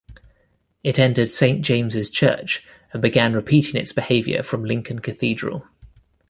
It entered Saint James' Church and began repeating its behaviour from Lincoln Cathedral.